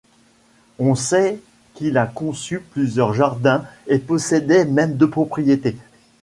On sait qu'il a conçu plusieurs jardins et possédait même deux propriétés.